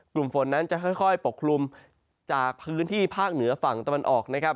กลุ่มฝนนั้นจะค่อยปกคลุมจากพื้นที่ภาคเหนือฝั่งตะวันออกนะครับ